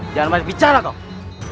jangan main bicara dong